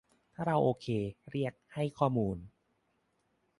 ถ้าเราโอเค เรียก "ให้ข้อมูล"